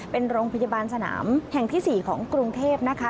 เป็นโรงพยาบาลสนามแห่งที่๔ของกรุงเทพนะคะ